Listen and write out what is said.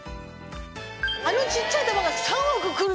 あの小っちゃい弾が３億来るってこと？